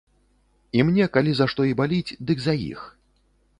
І мне калі за што і баліць, дык за іх.